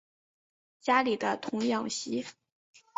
家里的童养媳